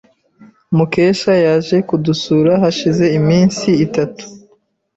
Mukesha yaje kudusura hashize iminsi itatu.